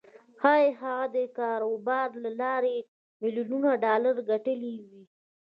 ښايي هغه د دې کاروبار له لارې ميليونونه ډالر ګټلي وي.